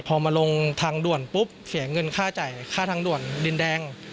พอมาลงทางด่วนปุ๊บเสียเงินค่าจ่ายค่าทางด่วนดินแดง